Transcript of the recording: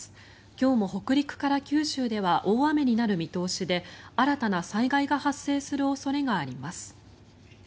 今日も北陸から九州では大雨になる見通しで新たな災害が発生する恐れがあります。